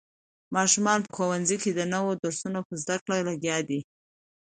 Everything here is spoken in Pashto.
ماشومان په ښوونځي کې د نوو درسونو په زده کړه لګیا دي.